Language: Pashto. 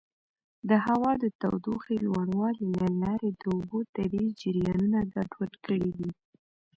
د هوا د تودوخې لوړوالي له لارې د اوبو طبیعي جریانونه ګډوډ کړي دي.